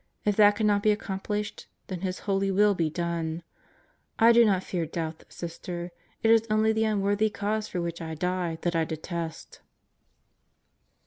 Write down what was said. If that cannot be accomplished, then His holy will be done! I do not fear death, Sister; it is only the unworthy cause for which I die, that I detest.